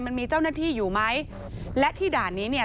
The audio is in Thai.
มันมีเจ้าหน้าที่อยู่ไหมและที่ด่านนี้เนี่ย